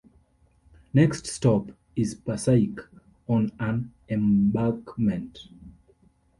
Next stop is Passaic, on an embankment.